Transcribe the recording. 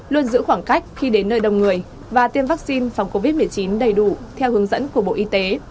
luôn giữ khoảng cách khi đến nơi đông người và tiêm vaccine phòng covid một mươi chín đầy đủ theo hướng dẫn của bộ y tế